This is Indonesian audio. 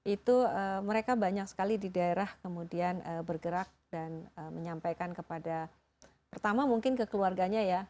itu mereka banyak sekali di daerah kemudian bergerak dan menyampaikan kepada pertama mungkin ke keluarganya ya